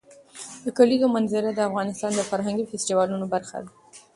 د کلیزو منظره د افغانستان د فرهنګي فستیوالونو برخه ده.